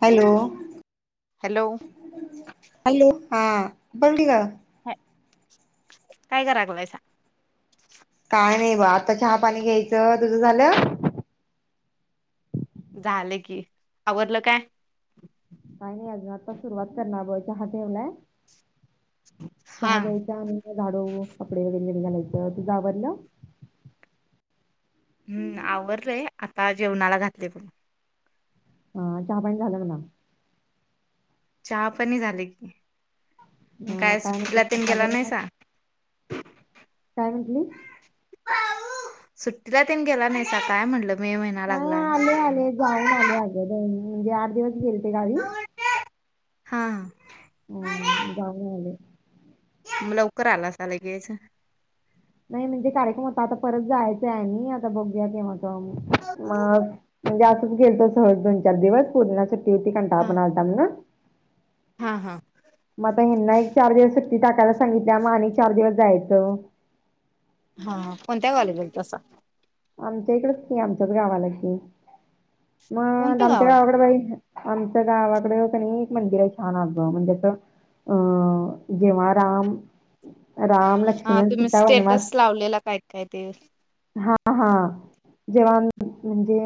Hello hello हा बंडी का? ह काय कराय लागलायसा? काय नाही ब आता चहा पाणी घ्यायचं. तुझं झालं? झाल की. आवरल काय? काही नाही अजून आता सुरुवात करनार बघ चहा ठेवलाय. हा चहा घ्यायचा मग झाडू, कपडे वगैरे घडी घालाय हो तुझं आवरलं? हम्म आवरलयं आता जेवणाला घातले बघ. हा चहा पाणी झालं म्हणा. चहा पाणी झाले की. अ काय म्हणते सुट्टीला तेन गेला वातावरणात नाहीसा? काय म्हटली? सुट्टीला तेन गेला नाहीसा काय म्हणलं? नाही आले आले जाऊन आले आगं दोन म्हणजे आठ दिवस गेलते गावी. हा. हम्म जाऊन आले. म लवकर आलासा लगेच. नाही म्हणजे कार्यक्रम होता, आता परत जायच आहे आणि आता बघूया की मग. मग म्हणजे गेलतो सहज दोन चार दिवस पोंरीना सुट्टी सुट्टी होती कंटाळ हा पण आलता म्हणून. हा हा. म आता ह्यांना एक चार दिवस सुट्टी टाकायला सांगितल्याया, मग आणि चार दिवस जायचं. हा कोणत्या गावाला गेलतासा? आमच्या इकडच की, आमच्याच गावाला की. म कोणत्या आमच्या गावात गावाकडं बाई आमच्या गावाकड कणी एक मंदिर आहे छान अगं म्हणजे असं, जेव्हा राम राम हा लक्ष्मण तुम्ही सीता वनवास स्टेटस लावलेला काय-काय ते. हा-हा जेव्हा म्हण म्हणजे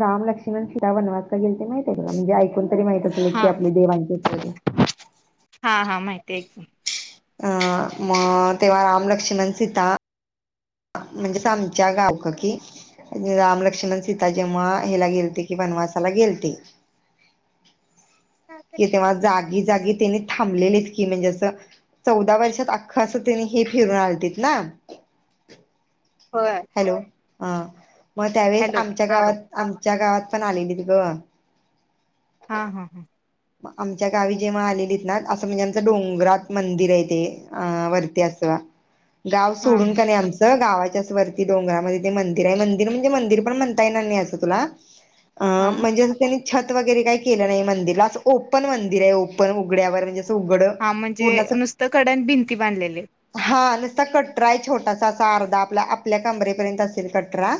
राम-लक्ष्मीण, सीता वनवास काय गेलते माहित आहे [unintelligible] म्हणजे ऐकून तरी माहीत असेलच हा की आपली देवांची. [unintelligible] हा हा माहीती आहे की. अं मग तेव्हा राम-लक्ष्मण, सीता म्हणजेच आमच्या गाव काकी राम-लक्ष्मण, सीता जेव्हा हेला गेलते कि वनवासाला गेलते कि तेव्हा जागी-जागी त्यांने थांबलेलेत की म्हणजे असं चौदा वर्षात अख्खं असं तेनी हे फिरून आलतेत ना. होय हॅलो हा. मग त्यावेळेस हॅलो आमच्या हा बोला गावात, आमच्या गावात पण आलेलीत गं. हा हा हा. आमच्या गावी जेव्हा आलेलीत ना असं म्हणजे आमचं डोंगरात मंदिर आहे ते अ वरती असं गाव हा सोडून हा का नाही आमचा गावाच्यास वरती डोंगरामध्ये ते मंदिर आहे, मंदिर म्हणजे मंदिर पण म्हणता येणार नाही असं तुला. अ हा म्हणजे असं त्यांनी छत वगैरे काही केलं नाही मंदिरला ओपन मंदिर आहे, ओपन उघड्यावर म्हणजे असं उघड हा म्हणजे पूर्ण असं नुसत कडन भिंती बांधलेली. चा कटरा आहे छोटा तासा अर्धा आपला आप आपल्या कबरेपर्यंत असेल कटरा.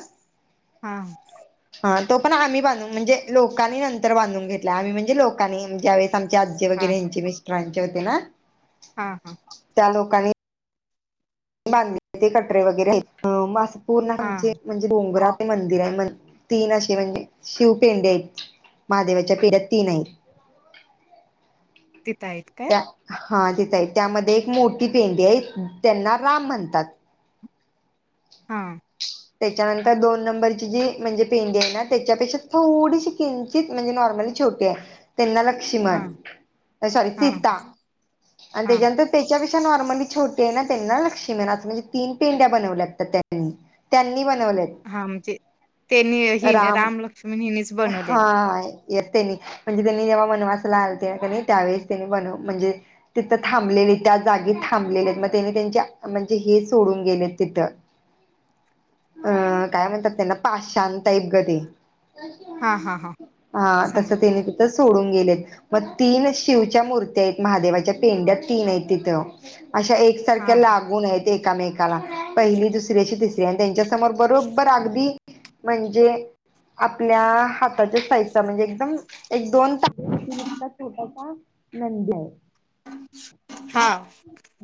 हा. हा तो पण आम्ही बांधून म्हणजे लोकानी नंतर बधून घेतला आम्ही म्हणजे लो कानी ज्यावे आमचे आज्जी हा वगैरे यांचे मिस्टरां ज्योती ना हा हा. कानी बांधली होती कटरे वगैरे पूर्ण हा आमचे म्हणजे बोंगरा मंदिर आहे म तीन अशे म्हणजे शिव पेंडे आहेत, महादेवाच्या पेढ्यात तीन आहेत. तिथं आहेत काय? त्या हा तिथं आहे त्यामध्ये एक मोठी पेंडी आहे त्यांना राम म्हणतात. हा. त्याच्यानंतर दोन नंबरची जी म्हणजे पेंडी आहे ना त्याच्यापेक्षा थोडीशी किंचित म्हणजे नॉर्मली छोटी आहे. त्यांना हा लक्ष्मण सॉरी हा सीता आणि हा त्याच्यानंतर त्याच्यापे नॉर्मली छोटीय ना त्यांना [unintelligible] म्हणजे तीन पेंड्या बनवल्यात त्यांनी. त्यांनी [unintelligible] हा म्हणजे, त्यांनी हि राम रामलक्ष्मी हिनीच बनवलेली. य त्यांनी म्हणजे त्यांनी जेव्हा वनवास ला आलते त्यां त्यावेेळेस त्यांनी बनव म्हणजे तिथं थांबलेले त्या जागी थांबलेले मग त्यानी त्यांचे म्हणजे हे सोडून गेलेत तिथं. अं काय म्हणतात त्यांना पाषाण टाईप गधी. हा हा हा [unintelligible] हा सम तस तेनी ते, सोडून गेलेत, मग तीन शिवच्या मुर्त्यायत महादेवाच्या पेंड्या तीन आहेत तिथं. अशा एकसारख्या हा लागून आहेत. एकामेकाला पहिली दुसऱ्याशी, दुसरी आणि त्यांच्याच समोर बरोबर अगदी, म्हणजे आपल्या हाताच्या साइजचा म्हणजे एकदम एक- दोन [unintelligible] नंदि आहे. हा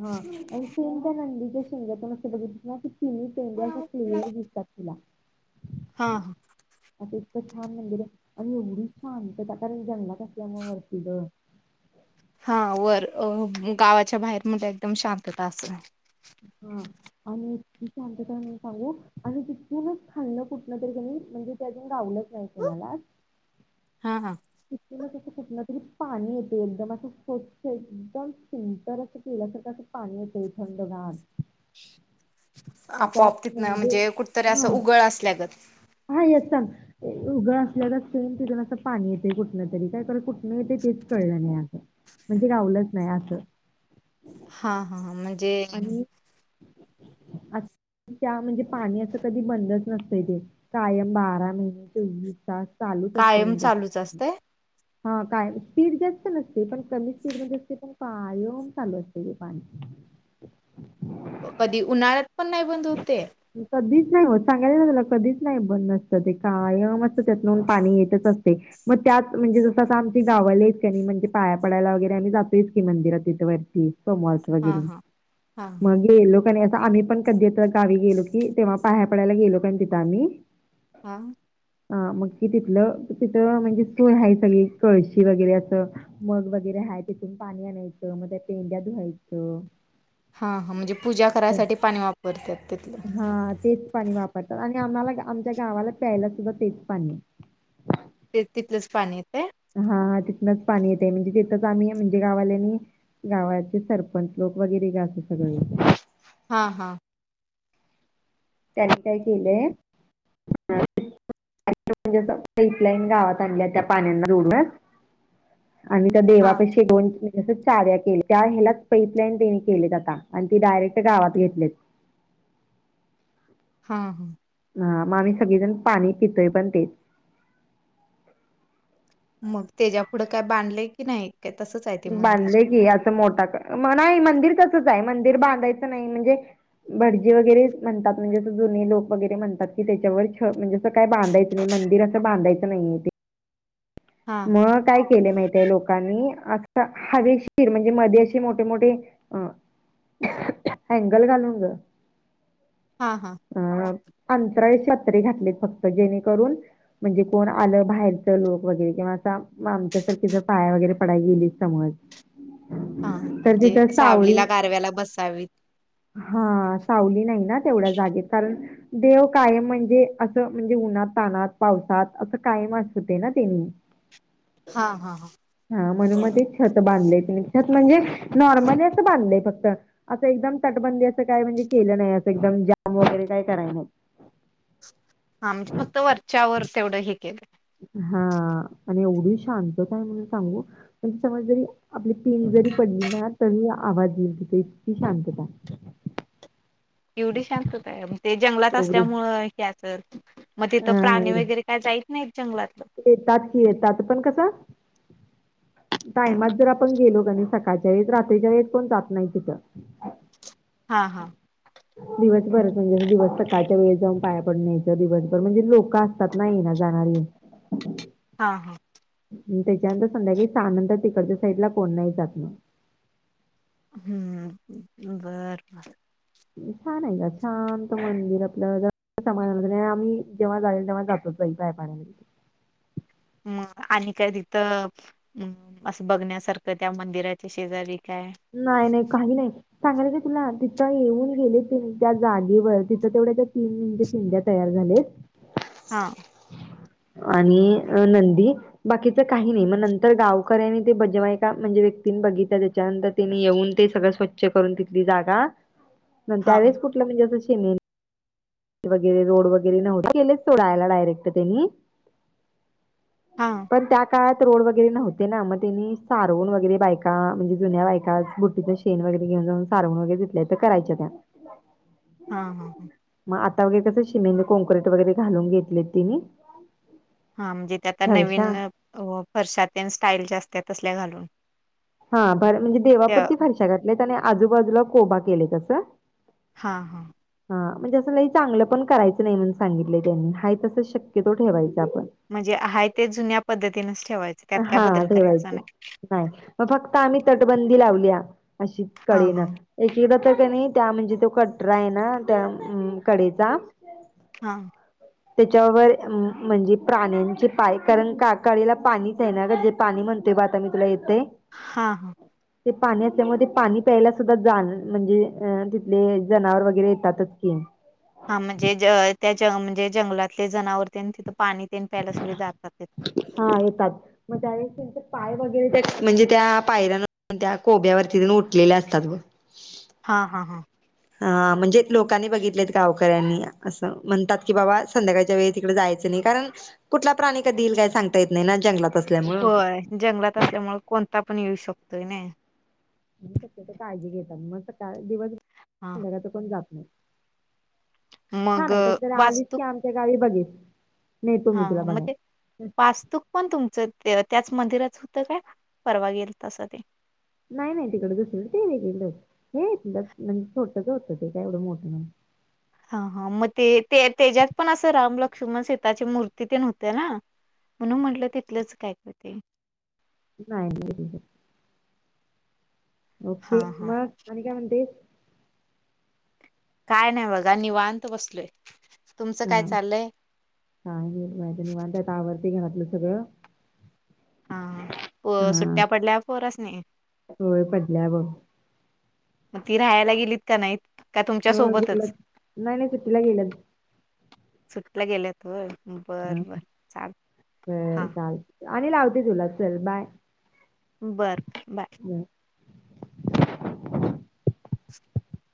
हा [unintelligible] सिंग त्या नंदिच्या शिंगातून असं बघितलं ना की, पिंड [unintelligible] दिसतात तुला हा हा. आता इतकं छान मंदिर आहे आणि एवढी शांतता कारण जंगला असल्यामुळे वरतीलं. हा वर गावाच्या बाहेर [unintelligible] एकदम शांतता अस. हा आणि इतकी शांतता म सांगू आणि तिथूनच खाल्ण कुटण तरी त्यांनी म्हणजे ते अजून गावलंच नाही कोणाला. हा हा तिथूनं कुठ ना तरी पाणी येते एकदम असं स्वच्छ एकदम फिल्टर असं केल्यासारखं पाणी येते थंडगार. आपोआप तिथनं म्हणजे कुठतरी असं उगळ असल्यागत. हा यस उगळ असल्यागत सेम तिथून असं पाणी येतय कुठन तरी काय कर कुठनं येते तेच कळलं नाही असं, म्हणजे गावलंच नाही असं. हा हा हा म जे आणि म्हणजे पाणी असं कधी बंदच नसतंय ते. कायम बारा महिने चोवीस तास. चालूच असते कायम म्हणजे असं चालूच पाणी असतय? हा कायम स्पीड जास्त नसते पण कमी स्पीड मध्ये असते पण कायम चालू असते ते पाणी. कधी उन्हाळ्यात, पण नाही बंद होते ते? कधीच नाही हो सांगायलाच झाला कधीच नाही बंद नसतं ते कायम अस त्यातनून पाणी येतच असते. मग त्यात म्हणजे जसं आता आमचे गावाले आहेच का नाही म्हणजे पाया पडायला वगैरे आम्ही जातोयच की मंदिरात तिथ वरती कमल्स हा वगैरे हा हा हा मग लोकांनी अस, आम्ही पण, कधी गावी गेलो की तेव्हा पाया पडायला गेलो काण तिंथ आम्ही, हा. ह मग कि तिथलं तिथ म्हणजे स्थळ आहे ते कळशी वगैरे असं मग वगैरे हाय तिथून पाणी आणायचं मग त्या पेंड्या धुवायचं. हा म्हणजे पूजा करायसाठी पाणी वापर हा तेच पाणी वापरतात. आणि आम्हाला आमच्या गावाला प्यायला सुद्धा तेच पाणी ते तिथलंच पाणी येतय. हा हा तिथनच पाणी येतय म्हणजे जिथंच आम्ही म्हणजे गाववाल्यानि गावाचे सरपंच लोक वगैरे अस सगळे हा हा त्यानी काय केलंय? म्हणजे पाईपलाईन गावात आणल्या त्या पाण्यान रोडवर आणि त्या हां देवापशी [unintelligible] जस चाऱ्या केलेत त्या ह्यालाच पाईपलाईन त्याने केलेत आता आणि ती डायरेक्ट गावात घेतलेत. हा हा. हा म आम्ही सगळीजण पाणी पितोय पण तेच मग त्याच्या पुुढं काय बांधलय की नाही? काय तसंच आहे ते मंदिर? बांधलय की असं मोठा का नाही मंदिर तसंच हाय. मंदिर बांधायचं नाही म्हणजे भटजी वगैरे म्हणतात. म्हणजे असं जुनी लोक वगैरे म्हणतात की त्याच्यावर छ म्हणजे असं काय बांधायचं नाही? मंदिर असं बांधायचं नाही ते हां म काय केलय माहिती हाय लोकांनी आता हवेसीर म्हणजे मध्ये असे मोठे मोठे अ अँगल घालून ग हा हा. काही पत्रे घातलेत फक्त जेणेकरून म्हणजे कोण आलं बाहेरचं लोक वगेरे म आता आमच्यासारखी जर पाया वगैरे पडायला गेलीत समज. हां तर म्हणजे तिथं सावली सावलीला गारव्याला बसावीत हा सावली नाही ना तेवढ्या जागेत, कारण देव कायम म्हणजे असं म्हणजे उन्हा तान्हात पावसात असं कायम असतेय ना ते हां हां हां हा म्हणून मग ते छत बांधलय तेनी छत म्हणजे नॉर्मली असं बांधलंय, फक्त असं एकदम तटबंदी असं काय म्हणजे केलं नाही. असं एकदम जाम वगैरे काय कराय नाही. हां म्हणजे फक्त वरच्यावर तेवढं हे केलं. हा आणि एवढी शांतता आहे, म्हणून सांगू म्हणजे समज जरी आपली पिन जरी पडली ना, तरी आवाज येईल तिथे इतकी शांतता एवढी शांतता हाय मग ते जंगलात एवढी. असल्यामुळ त्यात तर म तिथं प्राणी अ वगेरे काय जाईत नाहीत जंगलातलं? येतात की येतात पण कस टायमात जर आपण गेलो कणी, सकाळच्या वेळेस रात्रीच्या वेळेस कोण जात नाहीत तिथं हां हां दिवसभरच म्हणजे दिवस सकाळच्या वेळी जाऊन पाया पडून यायचं, दिवसभर म्हणजे लोक असतात ना येणारी जाणारी हा हा. नि तेच्यानंतर संध्याकाळी सहानंतर तिकडच्या साईडला कोण नाही जात नाही. हम्म बरबर. छान आहे ग शांत मंदिर आपलं समाधानी, जेव्हा आम्ही जेव्हा जाईल तेव्हा जातोच बाई आम्ही पाया पडायला. म आणि काय तिथं असं बघण्यासारखं त्या मंदिराच्या शेजारी? काय नाही नाही काही नाही सांगाले काय? तुला तिथे येऊन गेलीस कणी त्या जागेवर तिथ तेवढ्या त्या पिंड तयार झालेत. हा आणि नंदी बाकीच काही नाही मग नंतर गावकऱ्यांनी ते बजवायका म्हणजे व्यक्तीने बघितलं त्याच्यानंतर तिने येऊन ते सगळे स्वच्छ करून तिथली जागा हा त्यावेळेस कुठलं? म्हणजे [unintelligible] वगैरे रोड वगैरे नव्हते गेलेत सोडायला डायरेक्ट तेनीं हा पण त्या काळात रोड वगैरे नव्हते ना मग त्यांनी सारवून वगैरे बायका म्हणजे जुन्या बायका बुट्टीच शेण वगैरे घेऊन जाऊन सारवून वगैरे घेतय तर करायच्या त्या हा हा हा मग आता वगैर कसं सिमेंट काँक्रीट वगैरे घालून घेतले तिने हा म्हणजे ते आता त्या नवीन फरश्या स्टाईलच्या असत्यात तसल्या घालून हा बरं त्या देवापुरत, फरशा घातल्यात आणि आजूबाजूला कोबा केलाय त्याचा हा हा म्हणजे चांगलं पण नाही करायचं म्हणून सांगितलं त्यांनी आहे तसेच शक्यतो ठेवायचं म्हणजे आहे ते जुन्या पद्धतीन हा ठेवायच नाही मग फक्त आम्ही तटबंदी लावल्या अशी हा कडेन हा एक एकदा तर कणी त्या म्हणजे तो कटरा आहे ना त्या अ म कडेचा हा त्याच्यावर म्हणजे प्राण्यांची पाय कारण काकाळीला पाणी तेना ग जे पाणी म्हणतय ब आता मी तुला येतंय हा हा ते पाणी असल्यामुळे ते पाणी प्यायला सुद्धा जा म्हणजे तिथले जनावर वगैरे येतातच की हा म्हणजे ज त्या ज म्हणजे जंगलातले जनावरतेन तिथं पाणी तेन प्यायला सगळे जातात येत हा येतात मग त्यावेळेस त्यांचे पाय वगैरे त्या म्हणजे त्या पायऱ्यांवर त्या कोब्यावरती तेन उठलेले असतात व हा हा हा हा म्हणजे लोकांनी बघितलेत गावकऱ्यांनी असं म्हणतात. की बाबा संध्याकाळच्या वेळी तिकडे जायचं. नाही कारण कुठला प्राणी कधी येईल काय सांगता येत नाही ना जंगलात. असल्यामुळं होय जंगलात असल्यामुळं कोणता पण येऊ शक तो नाही मग शक्यतो काळजी घेतात मग सकाळ दिवसभर हा संध्याकाळच पण जात नाही छान मग आहे अ, कधीतरी आलीच की आमच्या गावी बघित हा मग ते वास्तुक पण तुमचं ते त्याच मंदिरात होतं काय? परवा गेलतासा ते नाही नाही तिकड दुसर ते वेगळीकड हे त म्हणजे छोटस होतं ते काय एवढं मोठं नाही हा हा म ते ते तेज्यात पण असं राम लक्ष्मण सीताची मूर्ती तेन होती ना म्हणून म्हंटलं तिथलंच काय ग ते नाही नाही रे ओके हां, हां. मग आणि काय म्हणते? काय नाही बघा निवांत बसलोय. तुमचं काय हा. चाललंय? हे निवांताय त आवर - - ते घरातलं सगळं हा प हा सुट्ट्या पडल्या पोरस - - नाही. होय पडल्या ब. मग ती राहायला गेलीत का नाहीत? का हो तुमच्यासोबतच? गेल्यात नाही नाही सुट्टीला गेल्यात. सुटीला गेल्यात होय. हम बरं, बरं. चाल बर हां, चाल - - आणि लावते तुला चल बाय. बरं. बाय. बर [inaudible]